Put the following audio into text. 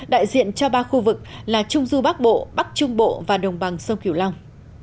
đại diện cho ba khu vực là trung du bắc bộ bắc trung bộ và đồng bằng sông kiểu long